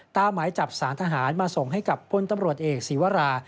หมายจับสารทหารมาส่งให้กับพลตำรวจเอกศีวรา